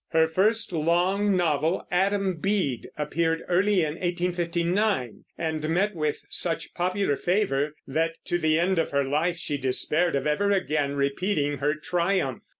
Her first long novel, Adam Bede, appeared early in 1859 and met with such popular favor that to the end of her life she despaired of ever again repeating her triumph.